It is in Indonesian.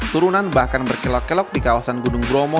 turunan bahkan berkelok kelok di kawasan gunung bromo